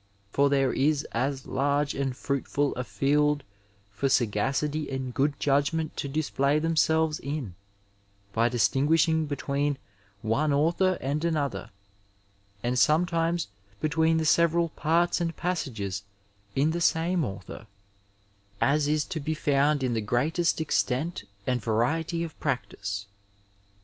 For there is as large and fruitful a field for sagacity and good judgment to display themselves in, by dis tuiguiflhing between one author and another, and sometimes be tween the several parts and passages in the same author, as is to be found in the greatest extent and variety of practice.